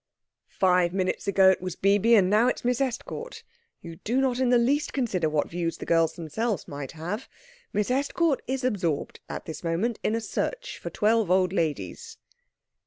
Five minutes ago it was Bibi, and now it is Miss Estcourt. You do not in the least consider what views the girls themselves might have. Miss Estcourt is absorbed at this moment in a search for twelve old ladies."